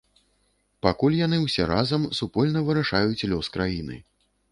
Пакуль яны ўсе разам, супольна вырашаюць лёс краіны.